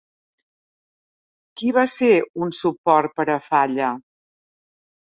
Qui va ser un suport per a Falla?